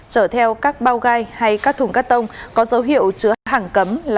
chở theo các bao gai hay các thùng cắt tông có dấu hiệu chứa hàng cấm là